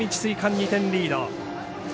２点リード。